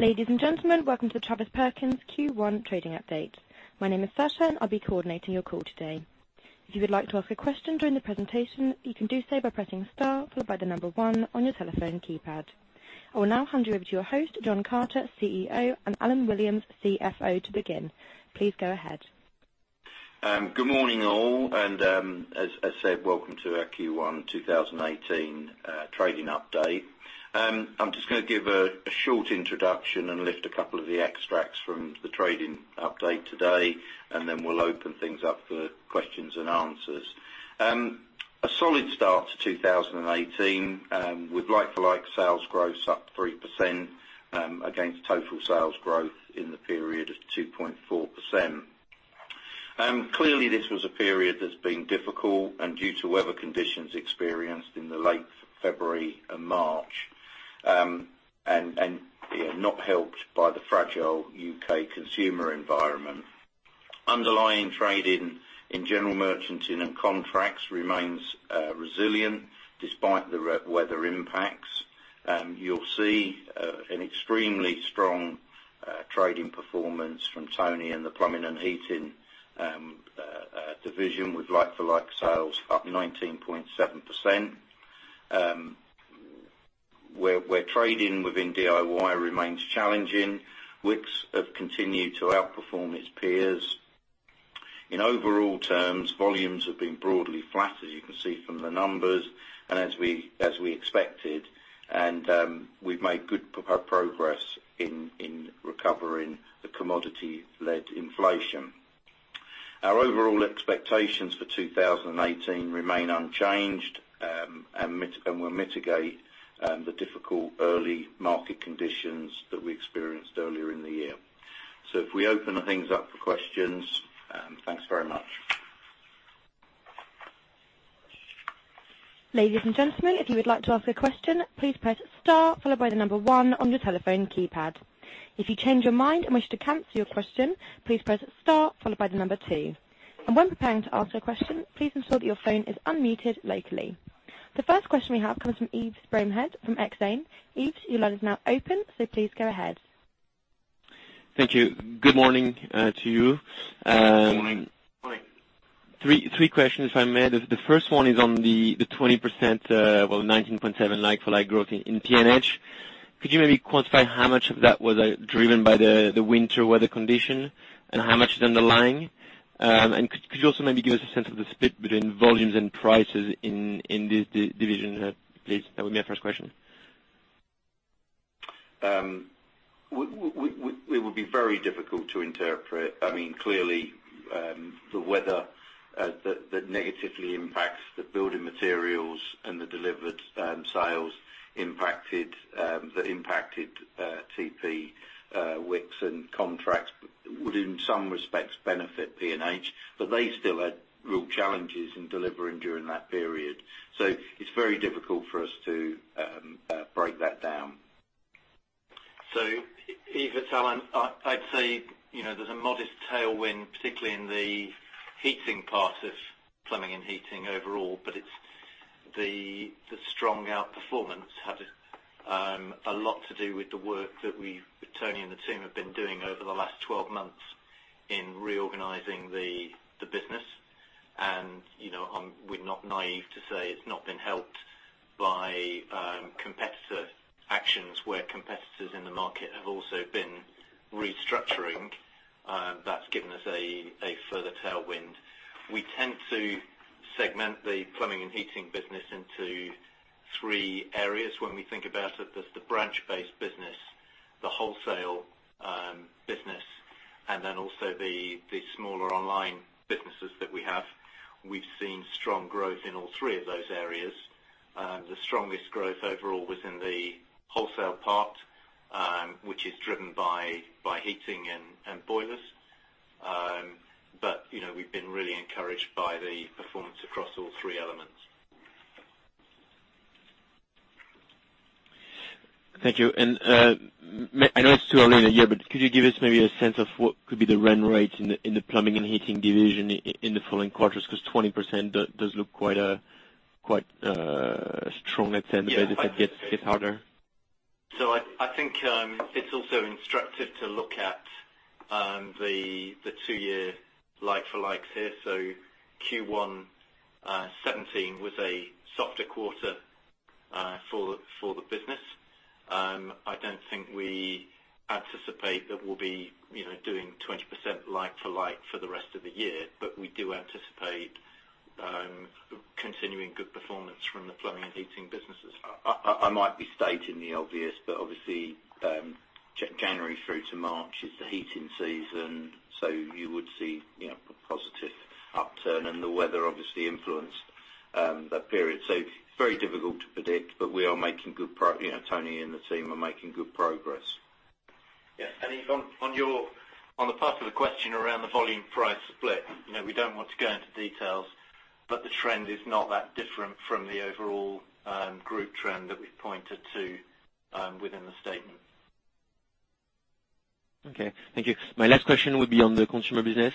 Ladies and gentlemen, welcome to the Travis Perkins Q1 trading update. My name is Sasha, and I will be coordinating your call today. If you would like to ask a question during the presentation, you can do so by pressing star followed by the number 1 on your telephone keypad. I will now hand you over to your host, John Carter, CEO, and Alan Williams, CFO, to begin. Please go ahead. Good morning, all. As said, welcome to our Q1 2018 trading update. I am just going to give a short introduction and lift a couple of the extracts from the trading update today, then we will open things up for questions and answers. A solid start to 2018, with like-for-like sales growth up 3% against total sales growth in the period of 2.4%. Clearly, this was a period that has been difficult due to weather conditions experienced in the late February and March, and not helped by the fragile U.K. consumer environment. Underlying trade in general merchanting and contracts remains resilient despite the weather impacts. You will see an extremely strong trading performance from Tony and the plumbing and heating division with like-for-like sales up 19.7%. Where trading within DIY remains challenging, Wickes have continued to outperform its peers. In overall terms, volumes have been broadly flat, as you can see from the numbers, as we expected. We have made good progress in recovering the commodity-led inflation. Our overall expectations for 2018 remain unchanged, will mitigate the difficult early market conditions that we experienced earlier in the year. If we open things up for questions. Thanks very much. Ladies and gentlemen, if you would like to ask a question, please press star followed by the number 1 on your telephone keypad. If you change your mind and wish to cancel your question, please press star followed by the number 2. When preparing to ask a question, please ensure that your phone is unmuted locally. The first question we have comes from Yves Bromehead, from Exane. Yves, your line is now open, please go ahead. Thank you. Good morning to you. Good morning. Good morning. Three questions, if I may. The first one is on the 20%, well, 19.7 like-for-like growth in P&H. Could you maybe quantify how much of that was driven by the winter weather condition, and how much is underlying? Could you also maybe give us a sense of the split between volumes and prices in this division, please? That would be my first question. It would be very difficult to interpret. Clearly, the weather that negatively impacts the building materials and the delivered sales that impacted TP, Wickes, and contracts would, in some respects, benefit P&H, but they still had real challenges in delivering during that period. It's very difficult for us to break that down. Yves, it's Alan. I'd say there's a modest tailwind, particularly in the heating part of plumbing and heating overall, but the strong outperformance had a lot to do with the work that Tony and the team have been doing over the last 12 months in reorganizing the business. We're not naive to say it's not been helped by competitor actions, where competitors in the market have also been restructuring. That's given us a further tailwind. We tend to segment the plumbing and heating business into three areas when we think about it. There's the branch-based business, the wholesale business, and then also the smaller online businesses that we have. We've seen strong growth in all three of those areas. The strongest growth overall was in the wholesale part, which is driven by heating and boilers. We've been really encouraged by the performance across all three elements. Thank you. I know it's too early in the year, but could you give us maybe a sense of what could be the run rate in the plumbing and heating division in the following quarters? Because 20% does look quite strong. Let's say, if it gets harder. I think it's also instructive to look at the two-year like-for-likes here. Q1 2017 was a softer quarter for the business. I don't think we anticipate that we'll be doing 20% like-for-like for the rest of the year, we do anticipate continuing good performance from the plumbing and heating businesses. I might be stating the obvious, obviously, January through to March is the heating season. You would see a positive upturn. The weather obviously influenced that period. It's very difficult to predict, but Tony and the team are making good progress. Yes. Yves, on the part of the question around the volume price split, we don't want to go into details, the trend is not that different from the overall group trend that we pointed to within the statement. Okay. Thank you. My last question would be on the consumer business,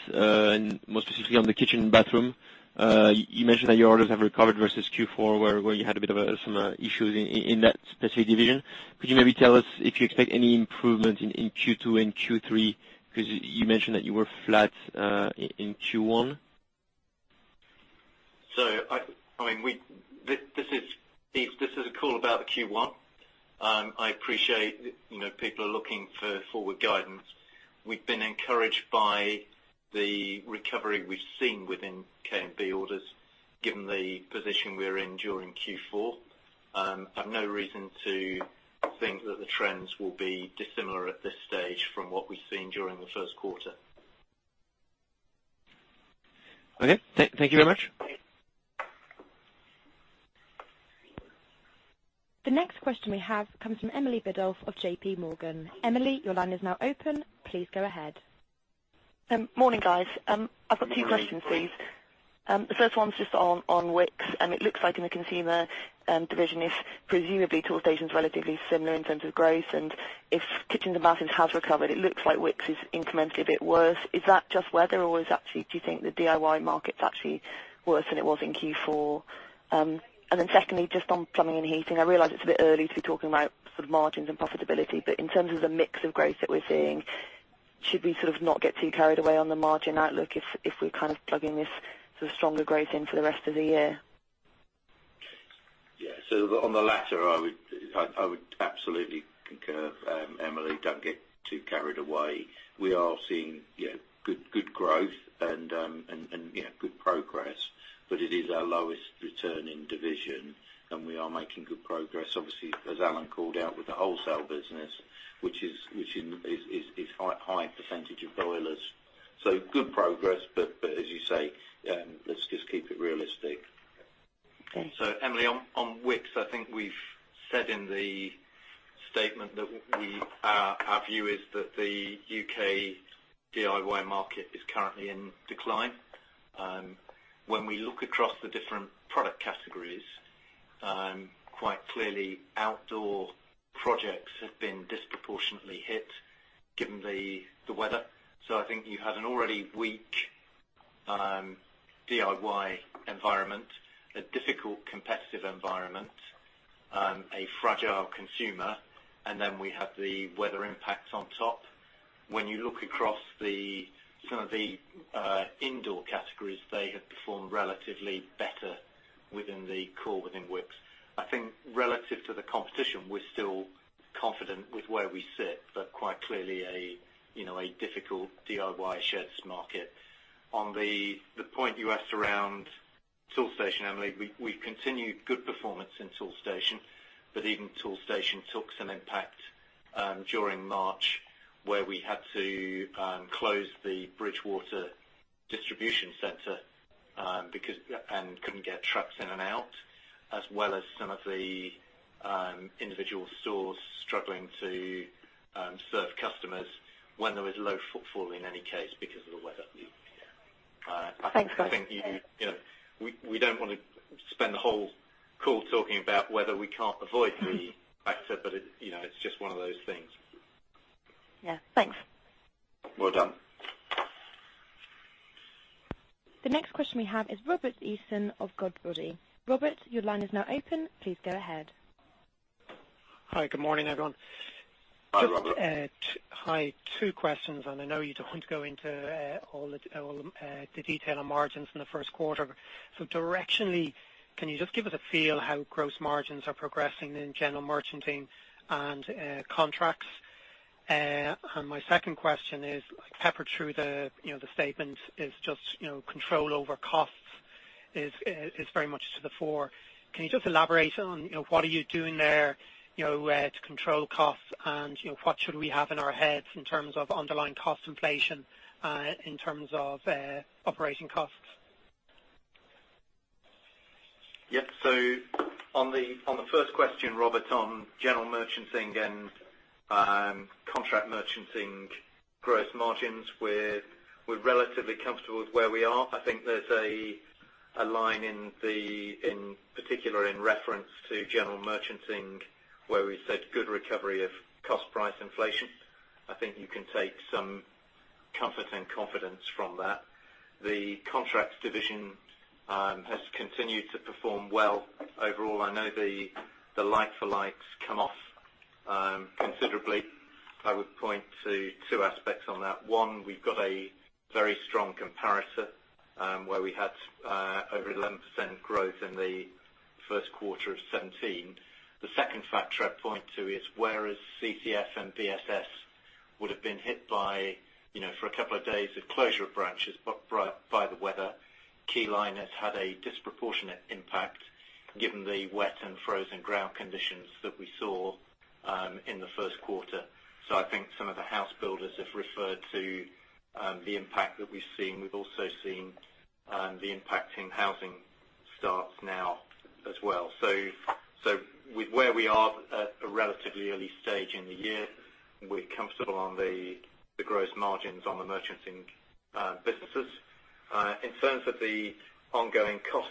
more specifically on the kitchen and bathroom. You mentioned that your orders have recovered versus Q4, where you had a bit of some issues in that specific division. Could you maybe tell us if you expect any improvement in Q2 and Q3, because you mentioned that you were flat in Q1? This is a call about the Q1. I appreciate people are looking for forward guidance. We've been encouraged by the recovery we've seen within KMB orders, given the position we were in during Q4. I've no reason to think that the trends will be dissimilar at this stage from what we've seen during the first quarter. Okay. Thank you very much. The next question we have comes from Emily Biddulph of J.P. Morgan. Emily, your line is now open. Please go ahead. Morning, guys. I've got two questions, please. The first one's just on Wickes. It looks like in the consumer division, if presumably Toolstation's relatively similar in terms of growth, and if kitchen and bathroom has recovered, it looks like Wickes is incrementally a bit worse. Is that just weather or do you think the DIY market's actually worse than it was in Q4? Secondly, just on plumbing and heating, I realize it's a bit early to be talking about sort of margins and profitability, but in terms of the mix of growth that we're seeing, should we sort of not get too carried away on the margin outlook if we're kind of plugging this sort of stronger growth in for the rest of the year? Yeah. On the latter, I would absolutely concur, Emily. Don't get too carried away. We are seeing good growth and good progress, but it is our lowest returning division. We are making good progress, obviously, as Alan called out with the wholesale business, which is high percentage of boilers. Good progress, but as you say, let's just keep it realistic. Thanks. Emily, on Wickes, I think we've said in the statement that our view is that the U.K. DIY market is currently in decline. When we look across the different product categories, quite clearly outdoor projects have been disproportionately hit given the weather. I think you had an already weak DIY environment, a difficult competitive environment, a fragile consumer, and then we have the weather impacts on top. When you look across some of the indoor categories, they have performed relatively better within the core within Wickes. I think relative to the competition, we're still confident with where we sit, quite clearly a difficult DIY sheds market. On the point you asked around Toolstation, Emily, we continued good performance in Toolstation, but even Toolstation took some impact during March where we had to close the Bridgwater distribution center and couldn't get trucks in and out, as well as some of the individual stores struggling to serve customers when there was low footfall in any case because of the weather. Thanks. We don't want to spend the whole call talking about weather we can't avoid the factor, but it's just one of those things. Yeah. Thanks. Well done. The next question we have is Robert Eason of Goodbody. Robert, your line is now open. Please go ahead. Hi, good morning, everyone. Hi, Robert. Hi. Two questions. I know you don't go into all the detail on margins in the first quarter. Directionally, can you just give us a feel how gross margins are progressing in general merchanting and contracts? My second question is, peppered through the statement is just control over costs is very much to the fore. Can you just elaborate on what are you doing there to control costs and what should we have in our heads in terms of underlying cost inflation in terms of operating costs? Yep. On the first question, Robert, on general merchanting and contract merchanting gross margins, we're relatively comfortable with where we are. I think there's a line in particular in reference to general merchanting where we said good recovery of cost price inflation. I think you can take some comfort and confidence from that. The contracts division has continued to perform well overall. I know the like-for-like has come off considerably. I would point to two aspects on that. One, we've got a very strong comparator, where we had over 11% growth in the first quarter of 2017. The second factor I'd point to is whereas CCF and BSS would have been hit for a couple of days, the closure of branches by the weather, Keyline has had a disproportionate impact given the wet and frozen ground conditions that we saw in the first quarter. I think some of the house builders have referred to the impact that we've seen. We've also seen the impact in housing starts now as well. With where we are at a relatively early stage in the year, we're comfortable on the gross margins on the merchanting businesses. In terms of the ongoing cost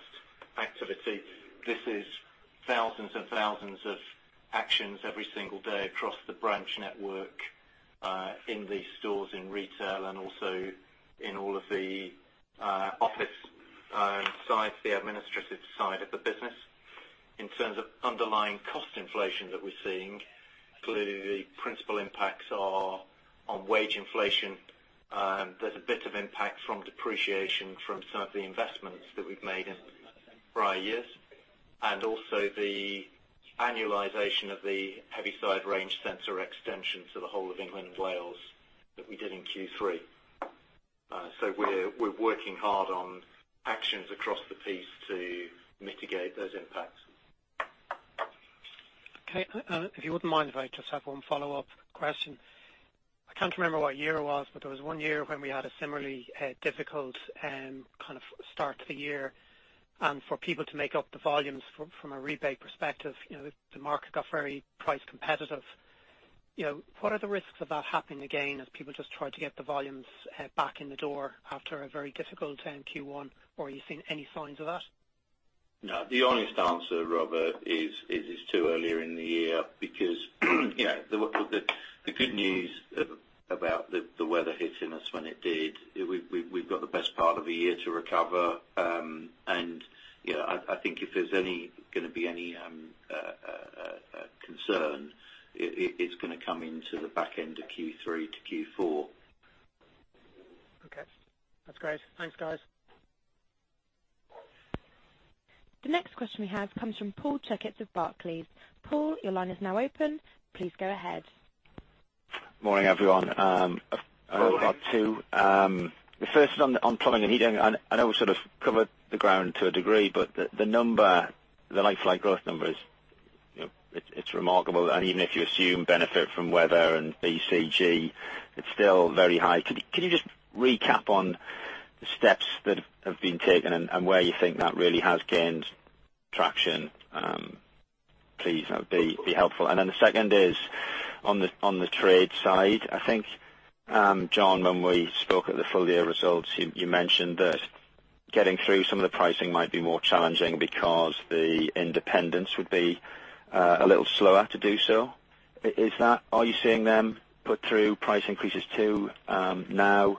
activity, this is Thousands and thousands of actions every single day across the branch network, in the stores, in retail, and also in all of the office side, the administrative side of the business. In terms of underlying cost inflation that we're seeing, clearly the principal impacts are on wage inflation. There's a bit of impact from depreciation from some of the investments that we've made in prior years, and also the annualization of the Heavyside Range Centre extension to the whole of England and Wales that we did in Q3. We're working hard on actions across the piece to mitigate those impacts. Okay. If you wouldn't mind if I just have one follow-up question. I can't remember what year it was, but there was one year when we had a similarly difficult start to the year, and for people to make up the volumes from a rebate perspective, the market got very price competitive. What are the risks of that happening again, as people just try to get the volumes back in the door after a very difficult Q1, or are you seeing any signs of that? No. The honest answer, Robert, is it's too earlier in the year because the good news about the weather hitting us when it did, we've got the best part of a year to recover. I think if there's going to be any concern, it's going to come into the back end of Q3 to Q4. Okay. That's great. Thanks, guys. The next question we have comes from Paul Checketts with Barclays. Paul, your line is now open. Please go ahead. Morning, everyone. Morning. I've got two. The first is on plumbing and heating. I know we sort of covered the ground to a degree, but the like-for-like growth number, it's remarkable. Even if you assume benefit from weather and BCG, it's still very high. Could you just recap on the steps that have been taken and where you think that really has gained traction? Please, that would be helpful. The second is on the trade side. I think, John, when we spoke at the full year results, you mentioned that getting through some of the pricing might be more challenging because the independents would be a little slower to do so. Are you seeing them put through price increases too now?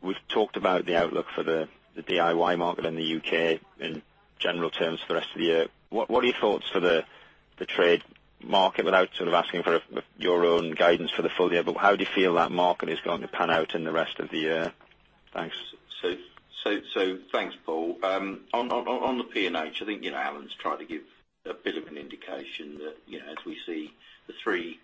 We've talked about the outlook for the DIY market in the U.K. in general terms for the rest of the year. What are your thoughts for the trade market without asking for your own guidance for the full year, but how do you feel that market is going to pan out in the rest of the year? Thanks. Thanks, Paul. On the P&H, I think Alan's tried to give a bit of an indication that as we see the three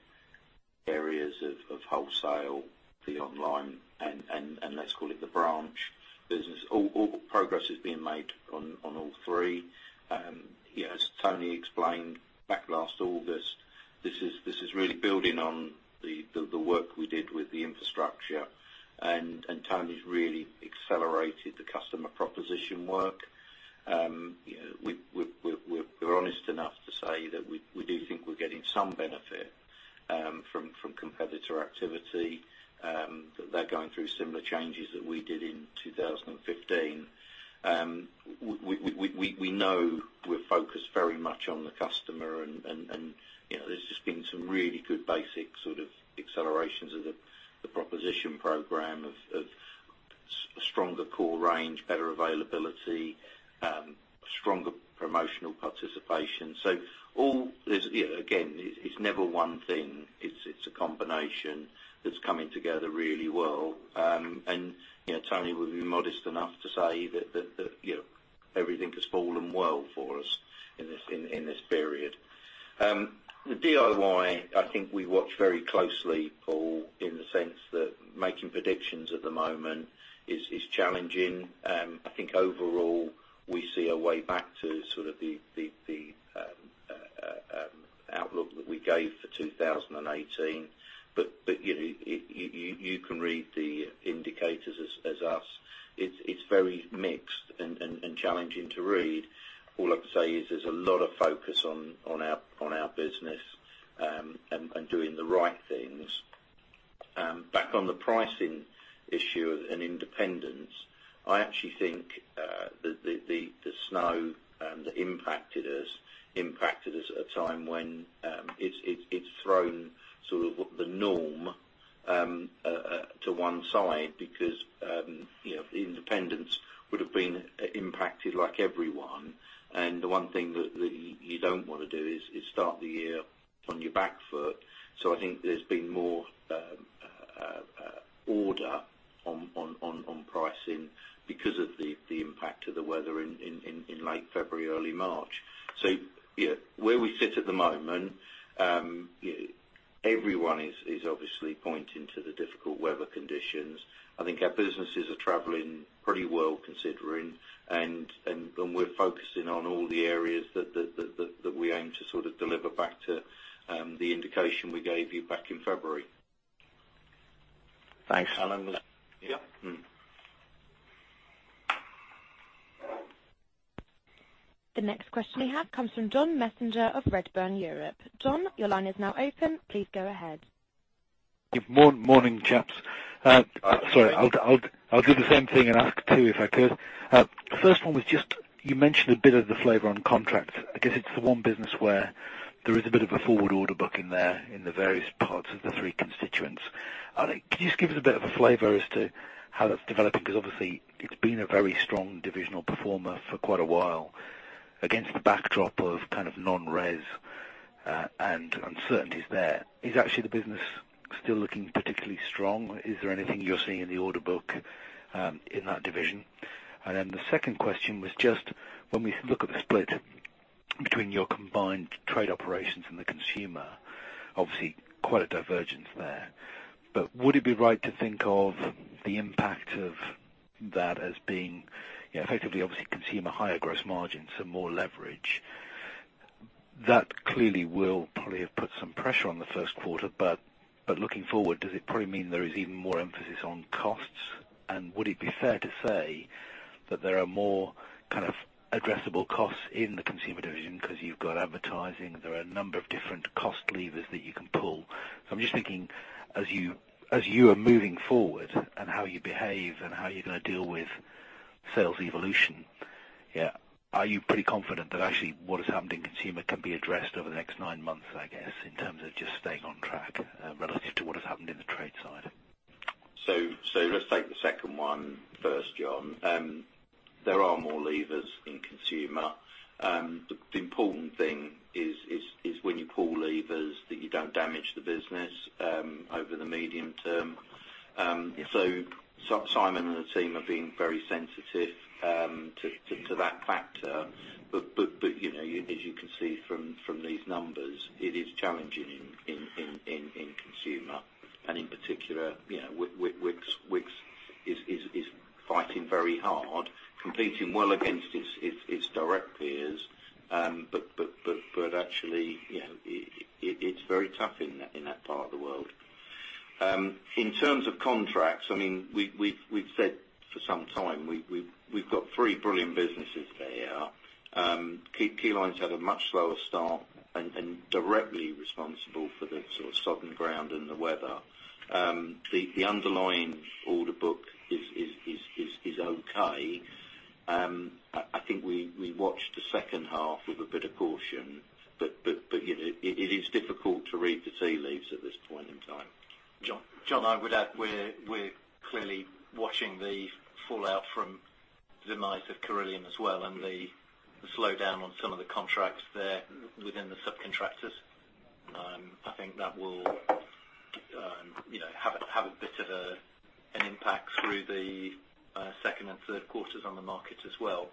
areas of wholesale, the online, and let's call it the branch business, progress is being made on all three. As Tony explained back last August, this is really building on the work we did with the infrastructure, Tony's really accelerated the customer proposition work. We're honest enough to say that we do think we're getting some benefit from competitor activity, that they're going through similar changes that we did in 2015. We know we're focused very much on the customer, there's just been some really good basic accelerations of the proposition program of a stronger core range, better availability, stronger promotional participation. Again, it's never one thing. It's a combination that's coming together really well. Tony will be modest enough to say that everything has fallen well for us in this period. The DIY, I think we watch very closely, Paul, in the sense that making predictions at the moment is challenging. I think overall, we see a way back to the outlook that we gave for 2018. You can read the indicators as us. It's very mixed and challenging to read. All I can say is there's a lot of focus on our business and doing the right things. Back on the pricing issue and independence, I actually think the snow that impacted us, impacted us at a time when it's thrown the norm to one side because the independents would have been impacted like everyone. The one thing that you don't want to do is start the year on your back foot. I think there's been more order on pricing because of the impact of the weather in late February, early March. Where we sit at the moment, everyone is obviously pointing to the difficult weather conditions. I think our businesses are traveling pretty well considering, and we're focusing on all the areas that we aim to deliver back to the indication we gave you back in February. Thanks. Alan Yep. The next question we have comes from John Messenger of Redburn Europe. John, your line is now open. Please go ahead. Good morning, chaps. Sorry, I'll do the same thing and ask 2 if I could. First one was just, you mentioned a bit of the flavor on contracts. I guess it's the one business where there is a bit of a forward order book in there in the various parts of the 3 constituents. Can you just give us a bit of a flavor as to how that's developing? Because obviously it's been a very strong divisional performer for quite a while against the backdrop of kind of non-RES, and uncertainties there. Is actually the business still looking particularly strong? Is there anything you're seeing in the order book, in that division? Then the second question was just when we look at the split between your combined trade operations and the consumer, obviously quite a divergence there. Would it be right to think of the impact of that as being effectively, obviously consumer higher gross margins, so more leverage. That clearly will probably have put some pressure on the first quarter, but looking forward, does it probably mean there is even more emphasis on costs? Would it be fair to say that there are more kind of addressable costs in the consumer division because you've got advertising, there are a number of different cost levers that you can pull. I'm just thinking as you are moving forward and how you behave and how you're going to deal with sales evolution, are you pretty confident that actually what has happened in consumer can be addressed over the next nine months, I guess, in terms of just staying on track, relative to what has happened in the trade side? Let's take the second one first, John. There are more levers in consumer. The important thing is when you pull levers that you don't damage the business over the medium term. Yeah. Simon and the team are being very sensitive to that factor. As you can see from these numbers, it is challenging in consumer and in particular, Wickes is fighting very hard, competing well against its direct peers. Actually, it's very tough in that part of the world. In terms of contracts, we've said for some time we've got three brilliant businesses there. Keyline had a much slower start and directly responsible for the sort of sodden ground and the weather. The underlying order book is okay. I think we watch the second half with a bit of caution, but it is difficult to read the tea leaves at this point in time. John. John, I would add we're clearly watching the fallout from the demise of Carillion as well, and the slowdown on some of the contracts there within the subcontractors. I think that will have a bit of an impact through the second and third quarters on the market as well.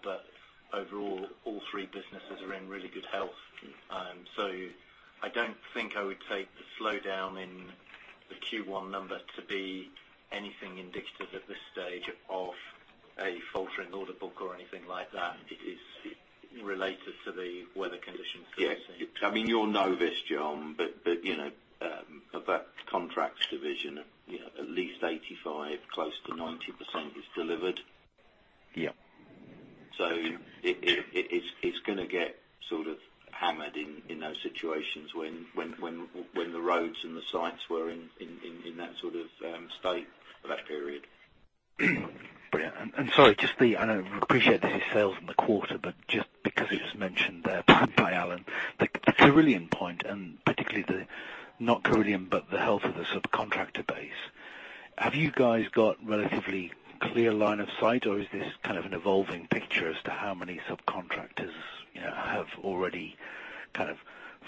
Overall, all three businesses are in really good health. I don't think I would take the slowdown in the Q1 number to be anything indicative at this stage of a faltering order book or anything like that. It is related to the weather conditions, wouldn't you say? Yes. You all know this, John, but of that contracts division, at least 85, close to 90% is delivered. Yeah. It's going to get sort of hammered in those situations when the roads and the sites were in that sort of state for that period. Brilliant. Sorry, I appreciate this is sales in the quarter, but just because it was mentioned there by Alan, the Carillion point and particularly the not Carillion, but the health of the subcontractor base. Have you guys got relatively clear line of sight, or is this kind of an evolving picture as to how many subcontractors have already kind of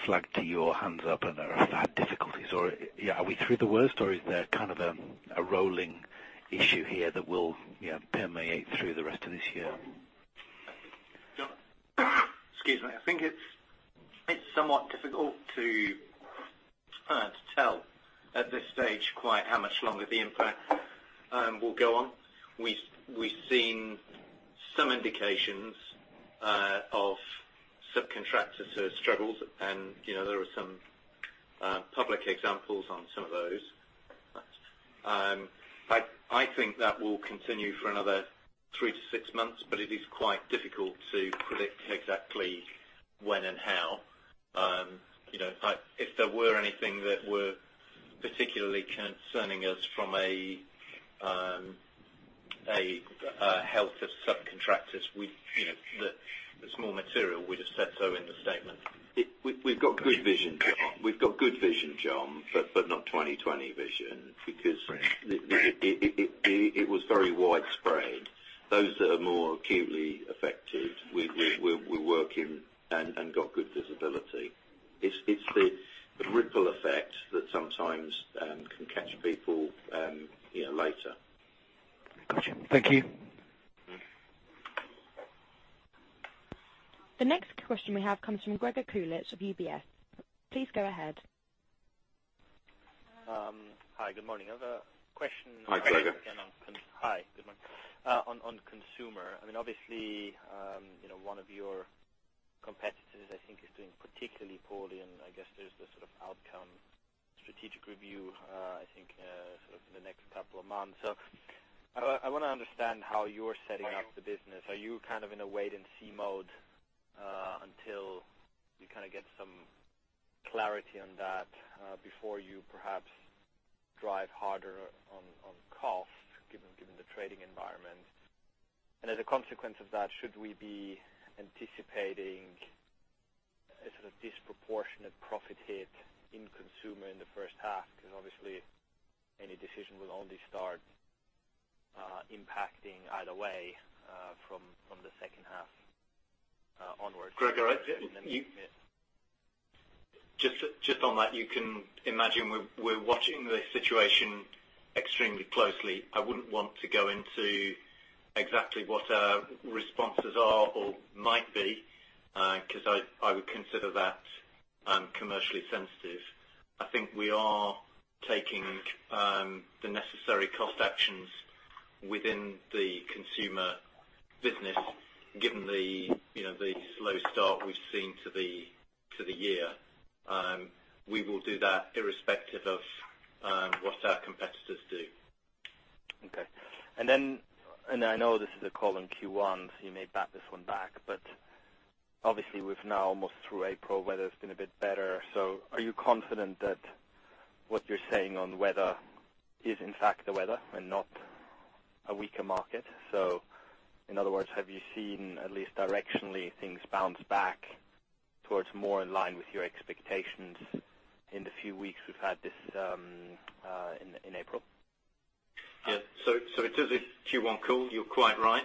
flagged to you or hands up and have had difficulties? Or are we through the worst, or is there kind of a rolling issue here that will permeate through the rest of this year? John, excuse me. I think it is somewhat difficult to tell at this stage quite how much longer the impact will go on. We've seen some indications of subcontractor sort of struggles, and there are some public examples on some of those. I think that will continue for another three to six months, but it is quite difficult to predict exactly when and how. If there were anything that were particularly concerning us from a health of subcontractors, the small material, we'd have said so in the statement. We've got good vision, John, but not 20/20 vision. Right It was very widespread. Those that are more acutely affected, we're working and got good visibility. It's the ripple effect that sometimes can catch people later. Got you. Thank you. The next question we have comes from Gregor Kulik of UBS. Please go ahead. Hi, good morning. I have a question- Hi, Gregor. Hi, good morning, on consumer. Obviously, one of your competitors I think is doing particularly poorly, and I guess there's the sort of outcome strategic review, I think in the next couple of months. I want to understand how you're setting up the business. Are you in a wait and see mode, until you get some clarity on that, before you perhaps drive harder on costs, given the trading environment? As a consequence of that, should we be anticipating a sort of disproportionate profit hit in consumer in the first half? Because obviously, any decision will only start impacting either way, from the second half onwards. Gregor. Yeah. On that, you can imagine we're watching the situation extremely closely. I wouldn't want to go into exactly what our responses are or might be, because I would consider that commercially sensitive. I think we are taking the necessary cost actions within the consumer business, given the slow start we've seen to the year. We will do that irrespective of what our competitors do. Okay. Then, I know this is a call on Q1, you may bat this one back, obviously we're now almost through April, weather's been a bit better. Are you confident that what you're saying on weather is in fact the weather and not a weaker market? In other words, have you seen at least directionally, things bounce back towards more in line with your expectations in the few weeks we've had this in April? Yeah. It is a Q1 call, you're quite right.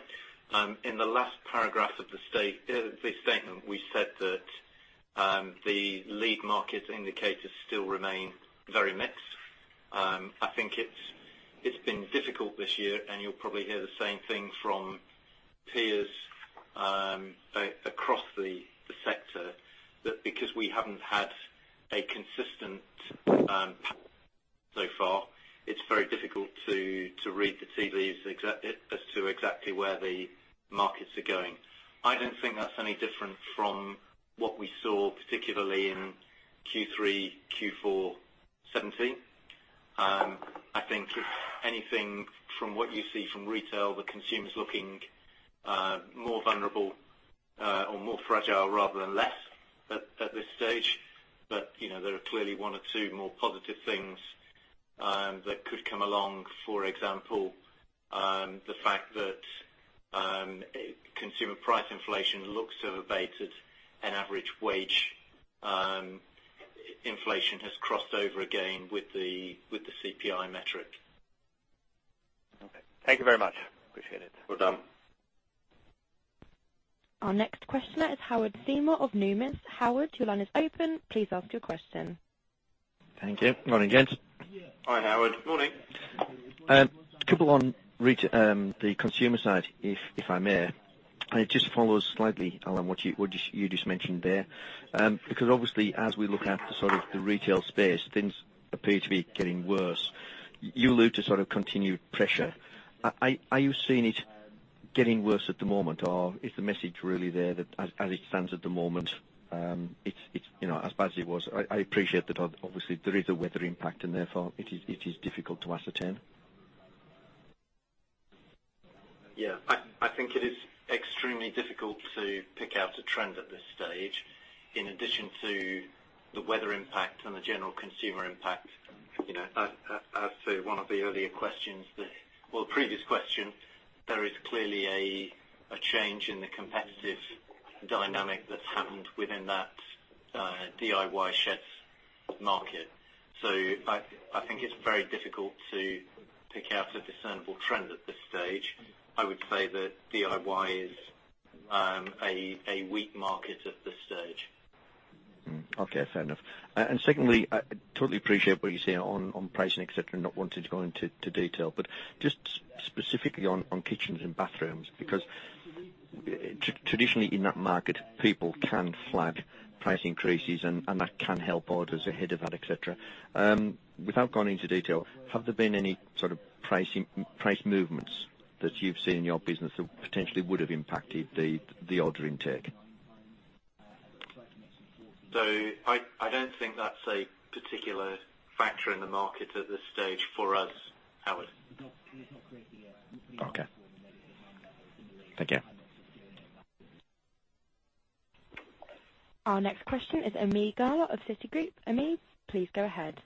In the last paragraph of the statement, we said that the lead market indicators still remain very mixed. I think it's been difficult this year, you'll probably hear the same thing from peers across the sector, that because we haven't had a consistent so far, it's very difficult to read the tea leaves as to exactly where the markets are going. I don't think that's any different from what we saw, particularly in Q3, Q4 2017. I think if anything, from what you see from retail, the consumer's looking more vulnerable or more fragile rather than less at this stage. There are clearly one or two more positive things that could come along. For example, the fact that consumer price inflation looks to have abated and average wage inflation has crossed over again with the CPI metric. Okay. Thank you very much. Appreciate it. Well done. Our next questioner is Howard Seymour of Numis. Howard, your line is open. Please ask your question. Thank you. Morning, gents. Hi, Howard. Morning. A couple on the consumer side, if I may. It just follows slightly, Alan, what you just mentioned there. Obviously as we look at the retail space, things appear to be getting worse. You allude to continued pressure. Are you seeing it getting worse at the moment, or is the message really there that as it stands at the moment, it's as bad as it was? I appreciate that obviously there is a weather impact and therefore it is difficult to ascertain. Yeah. I think it is extremely difficult to pick out a trend at this stage. In addition to the weather impact and the general consumer impact, as to one of the earlier questions, well, previous question, there is clearly a change in the competitive dynamic that's happened within that DIY sheds market. I think it's very difficult to pick out a discernible trend at this stage. I would say that DIY is a weak market at this stage. Okay. Fair enough. Secondly, I totally appreciate what you're saying on pricing, et cetera, and not wanting to go into detail, but just specifically on kitchens and bathrooms, because traditionally in that market, people can flag price increases, and that can help orders ahead of that, et cetera. Without going into detail, have there been any sort of price movements that you've seen in your business that potentially would have impacted the order intake? I don't think that's a particular factor in the market at this stage for us, Howard. Okay. Thank you. Our next question is Ami Galla of Citigroup. Ami, please go ahead.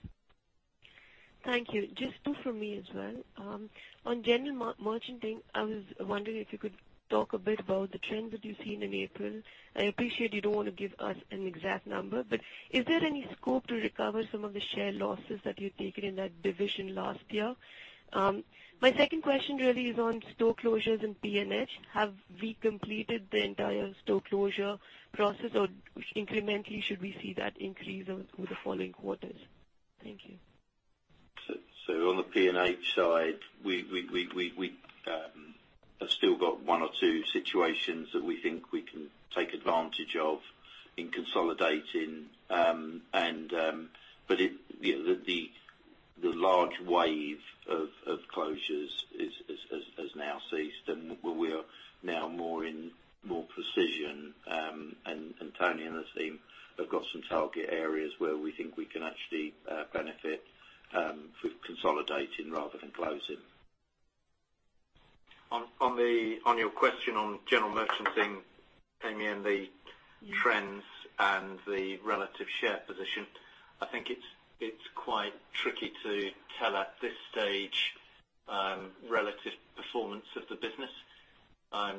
Thank you. Just two from me as well. On general merchanting, I was wondering if you could talk a bit about the trends that you've seen in April. I appreciate you don't want to give us an exact number, but is there any scope to recover some of the share losses that you've taken in that division last year? My second question really is on store closures and P&H. Have we completed the entire store closure process or incrementally should we see that increase over the following quarters? Thank you. On the P&H side, we have still got one or two situations that we think we can take advantage of in consolidating. The large wave of closures has now ceased. Now more in precision. Tony and the team have got some target areas where we think we can actually benefit through consolidating rather than closing. On your question on general merchanting, Amy, and the trends and the relative share position. I think it's quite tricky to tell at this stage relative performance of the business,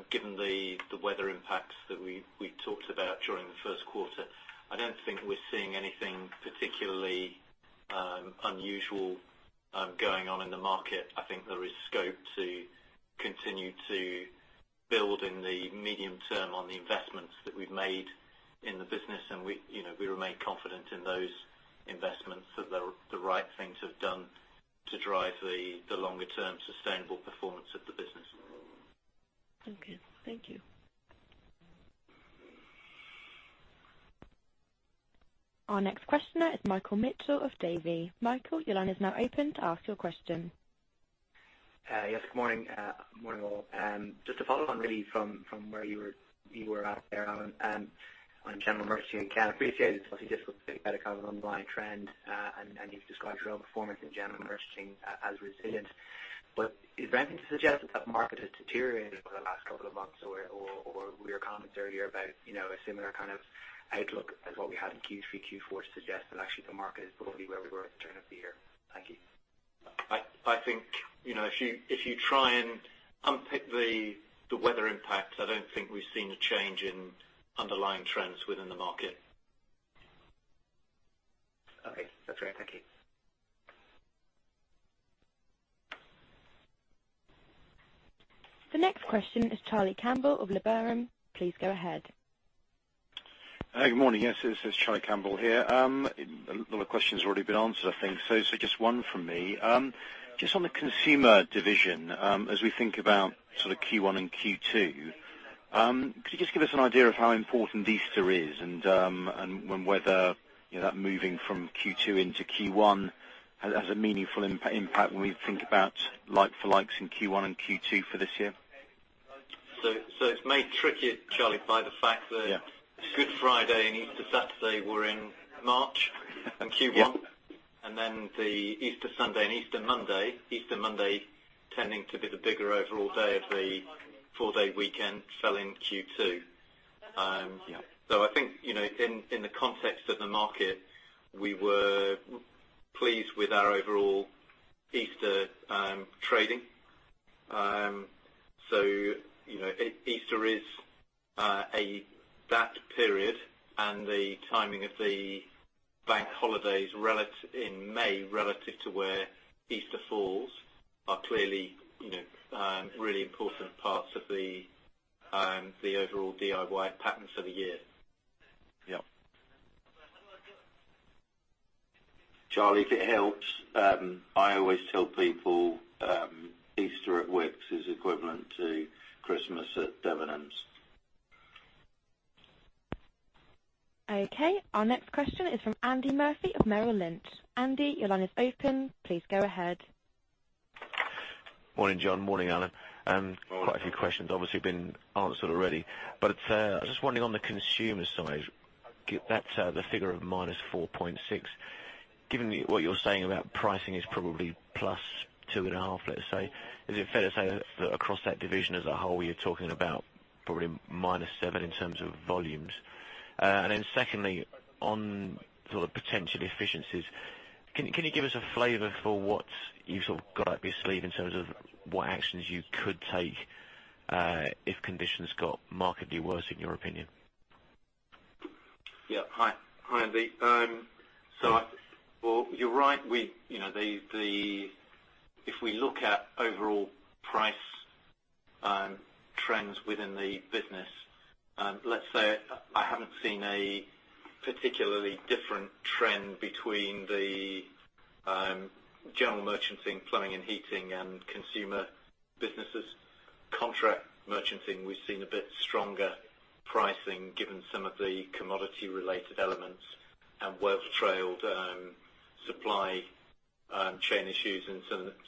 given the weather impacts that we talked about during the first quarter. I don't think we're seeing anything particularly unusual going on in the market. I think there is scope to continue to build in the medium term on the investments that we've made in the business. We remain confident in those investments, that they're the right thing to have done to drive the longer-term sustainable performance of the business. Okay. Thank you. Our next questioner is Michael Mitchell of Davy. Michael, your line is now open to ask your question. Yes, good morning. Morning, all. Just to follow on really from where you were at there, Alan, on general merchant. Again, I appreciate it's obviously difficult to get a kind of underlying trend, and you've described your own performance in general merchanting as resilient. Is there anything to suggest that that market has deteriorated over the last couple of months, or were your comments earlier about a similar kind of outlook as what we had in Q3, Q4 suggest that actually the market is probably where we were at the turn of the year? Thank you. I think if you try and unpick the weather impact, I don't think we've seen a change in underlying trends within the market. Okay. That's great. Thank you. The next question is Charlie Campbell of Liberum. Please go ahead. Good morning. Yes, this is Charlie Campbell here. A lot of questions have already been answered, I think, so just one from me. Just on the consumer division, as we think about sort of Q1 and Q2, could you just give us an idea of how important Easter is, and whether that moving from Q2 into Q1 has a meaningful impact when we think about like-for-likes in Q1 and Q2 for this year? It's made tricky, Charlie, by the fact that- Yeah Good Friday and Easter Saturday were in March and Q1. Yeah. The Easter Sunday and Easter Monday, Easter Monday tending to be the bigger overall day of the four-day weekend, fell in Q2. Yeah. I think, in the context of the market, we were pleased with our overall Easter trading. Easter is that period, and the timing of the bank holidays in May relative to where Easter falls are clearly really important parts of the overall DIY patterns of the year. Yeah. Charlie, if it helps, I always tell people Easter at Wickes is equivalent to Christmas at Debenhams. Our next question is from Andy Murphy of Merrill Lynch. Andy, your line is open. Please go ahead. Morning, John. Morning, Alan. Morning. Quite a few questions obviously have been answered already. I was just wondering on the consumer side, that the figure of -4.6, given what you're saying about pricing is probably plus two and a half, let's say. Is it fair to say that across that division as a whole, you're talking about probably -7 in terms of volumes? Secondly, on sort of potential efficiencies, can you give us a flavor for what you've sort of got up your sleeve in terms of what actions you could take if conditions got markedly worse, in your opinion? Hi, Andy. Well, you're right. If we look at overall price trends within the business, let's say I haven't seen a particularly different trend between the general merchanting, plumbing and heating and consumer businesses. Contract merchanting, we've seen a bit stronger pricing given some of the commodity-related elements and well-trailed supply chain issues and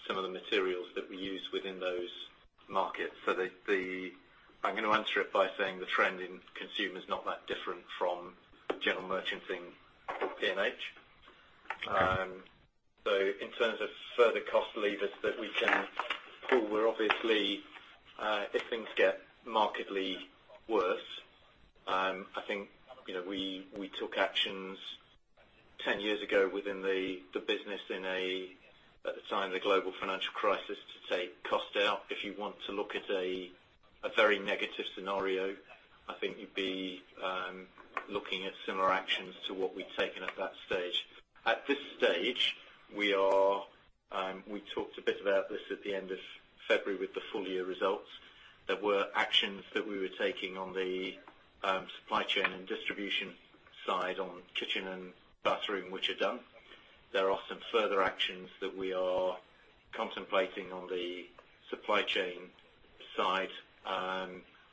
some of the materials that we use within those markets. I'm going to answer it by saying the trend in consumer is not that different from general merchanting or P&H. Okay. In terms of further cost levers that we can pull, where obviously if things get markedly worse, I think we took actions 10 years ago within the business in a, at the time, the global financial crisis to take cost out. If you want to look at a very negative scenario, I think you'd be looking at similar actions to what we'd taken at that stage. At this stage, we talked a bit about this at the end of February with the full year results. There were actions that we were taking on the supply chain and distribution side on kitchen and bathroom, which are done. There are some further actions that we are contemplating on the supply chain side.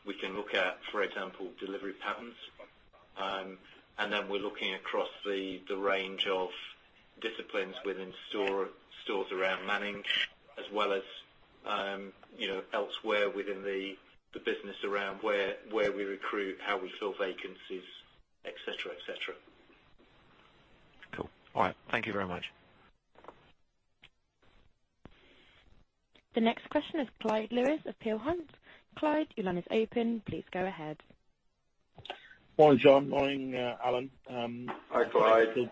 We can look at, for example, delivery patterns. We're looking across the range of disciplines within stores around manning, as well as elsewhere within the business around where we recruit, how we fill vacancies, et cetera. Cool. All right. Thank you very much. The next question is Clyde Lewis of Peel Hunt. Clyde, your line is open. Please go ahead. Morning, John. Morning, Alan. Hi, Clyde.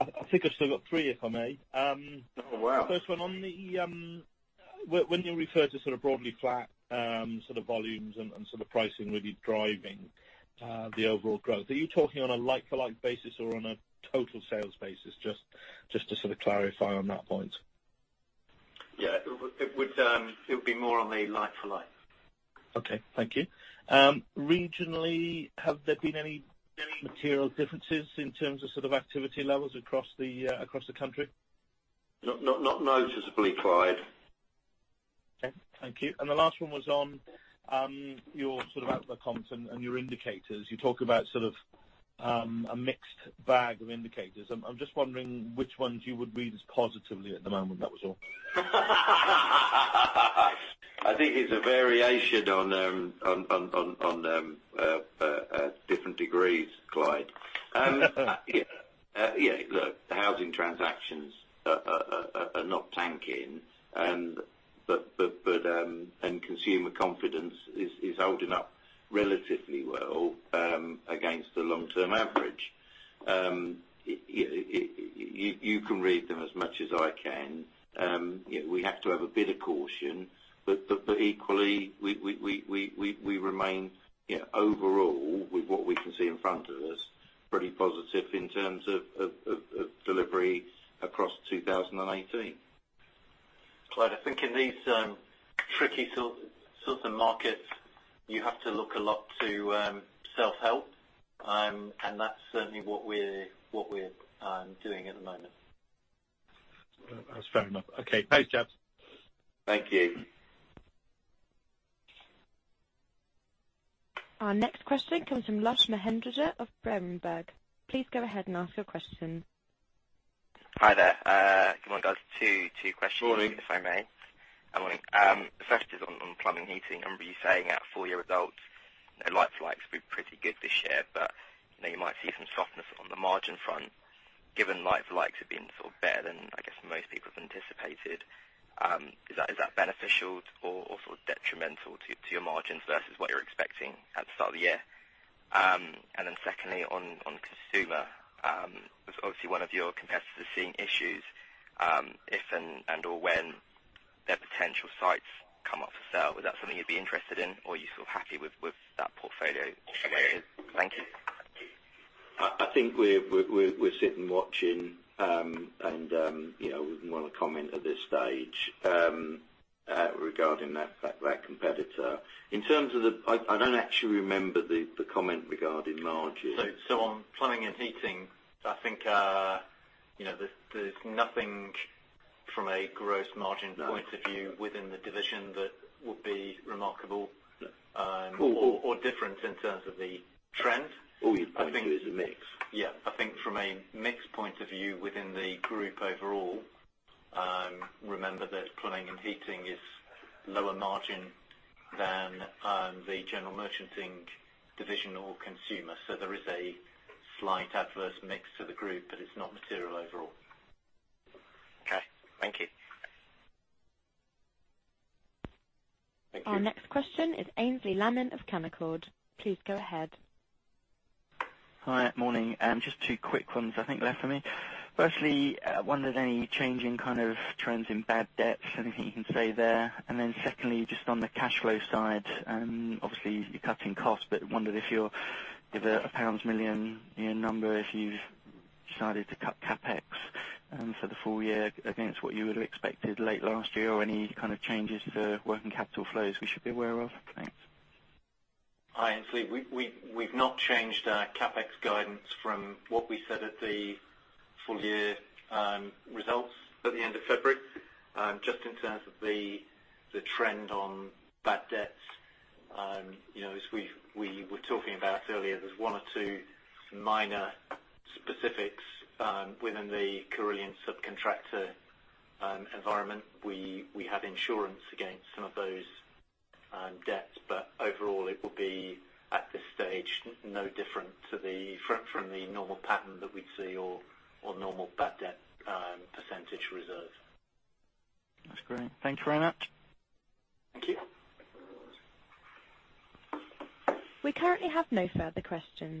I think I've still got three, if I may. Oh, wow. First one, when you refer to broadly flat volumes and pricing really driving the overall growth, are you talking on a like-for-like basis or on a total sales basis? Just to clarify on that point. Yeah. It would be more on the like-for-like. Okay. Thank you. Regionally, have there been any material differences in terms of activity levels across the country? Not noticeably, Clyde. Okay. Thank you. The last one was on your outlook comment and your indicators. You talk about a mixed bag of indicators. I'm just wondering which ones you would read as positively at the moment. That was all. I think it's a variation on different degrees, Clyde. Yeah. Look, the housing transactions are not tanking, and consumer confidence is holding up relatively well against the long-term average. You can read them as much as I can. We have to have a bit of caution. Equally, we remain, overall, with what we can see in front of us, pretty positive in terms of delivery across 2018. Clyde, I think in these tricky sorts of markets, you have to look a lot to self-help. That's certainly what we're doing at the moment. That's fair enough. Okay. Thanks, gents. Thank you. Our next question comes from Lokesh Maheswari of Berenberg. Please go ahead and ask your question. Hi there. Good morning, guys. Two questions- Morning If I may. Morning. The first is on plumbing and heating. I remember you saying at full year results that like-for-likes have been pretty good this year, but you might see some softness on the margin front. Given like-for-likes have been better than I guess most people have anticipated, is that beneficial or detrimental to your margins versus what you were expecting at the start of the year? Secondly, on consumer, obviously one of your competitors is seeing issues. If and/or when their potential sites come up for sale, is that something you'd be interested in, or are you happy with that portfolio as it is? Thank you. I think we're sitting, watching, and wouldn't want to comment at this stage regarding that competitor. I don't actually remember the comment regarding margins. On plumbing and heating, I think there is nothing from a gross margin point of view within the division that would be remarkable or different in terms of the trend. All you are pointing to is the mix. Yeah. I think from a mix point of view within the group overall, remember that plumbing and heating is lower margin than the general merchanting division or consumer. There is a slight adverse mix to the group, but it is not material overall. Okay. Thank you. Thank you. Our next question is Aynsley Lammin of Canaccord. Please go ahead. Hi. Morning. Just two quick ones I think left for me. Firstly, I wondered, any changing trends in bad debts? Anything you can say there. Then secondly, just on the cash flow side, obviously you're cutting costs, but I wondered if a million year number, if you've decided to cut CapEx for the full year against what you would have expected late last year, or any kind of changes to working capital flows we should be aware of? Thanks. Hi, Aynsley. We've not changed our CapEx guidance from what we said at the full year results at the end of February. Just in terms of the trend on bad debts, as we were talking about earlier, there's one or two minor specifics within the Carillion subcontractor environment. We have insurance against some of those debts, but overall it will be, at this stage, no different from the normal pattern that we'd see or normal bad debt percentage reserve. That's great. Thank you very much. Thank you. We currently have no further questions.